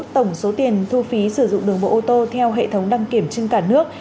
tổng số tiền thu phí sử dụng đường bộ ô tô theo hệ thống đăng kiểm trên cả nước